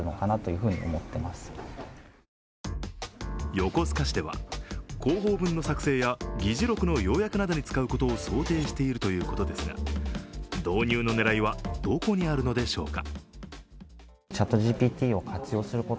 横須賀市では、広報文の作成や議事録の要約などに使うことを想定しているということですが導入の狙いはどこにあるのでしょうか。